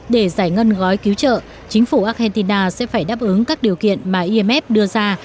để giải ngân gói cứu trợ chính phủ argentina sẽ phải đáp ứng các điều kiện mà imf đưa ra